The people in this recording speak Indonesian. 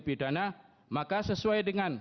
pidana maka sesuai dengan